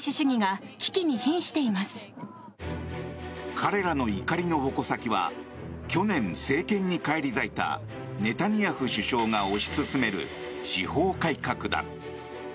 彼らの怒りの矛先は去年、政権に返り咲いたネタニヤフ首相が推し進める司法改革だ。